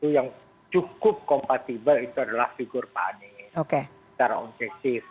yang cukup kompatibel itu adalah figur pak anies secara objektif